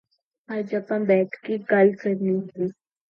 Naga battled the captive Namor.